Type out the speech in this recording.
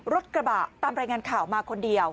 กระบะตามรายงานข่าวมาคนเดียว